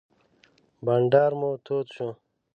بانډار مو تود شو.